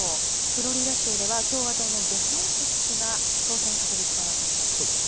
フロリダ州では共和党のデサンティス氏が当選確実となっています。